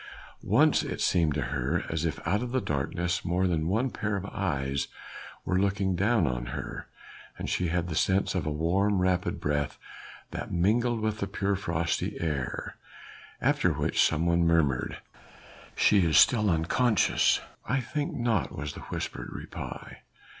Once it seemed to her as if out of the darkness more than one pair of eyes were looking down on her, and she had the sense as of a warm rapid breath that mingled with the pure frosty air. After which some one murmured: "She is still unconscious." "I think not," was the whispered reply.